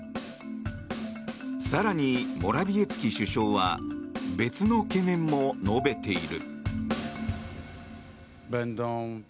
更に、モラビエツキ首相は別の懸念も述べている。